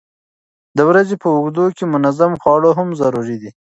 د ورځې په اوږدو کې منظم خواړه هم ضروري دي.